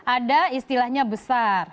ada istilahnya besar